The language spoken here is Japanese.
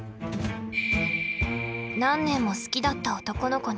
何年も好きだった男の子に。